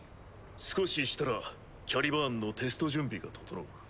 少ししたらキャリバーンのテスト準備が整う。